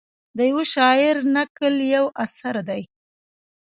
د یوه شاعر نکل یو اثر دی.